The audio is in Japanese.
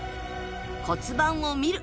骨盤を見る！